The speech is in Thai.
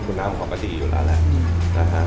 คุณน้ำของปฏิอยู่แล้วแหละ